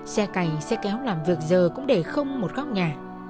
xe cày xe kéo làm việc giờ cũng để không một góc nhà